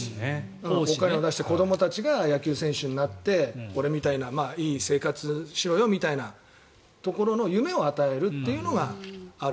お金を出して子どもたちが野球選手になって俺みたいないい生活をしろよみたいなところの夢を与えるっていうのがある。